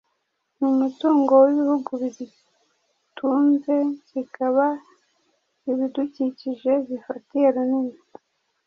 ni umutungo w’ibihugu bizitunze, zikaba ibidukikije bifatiye runini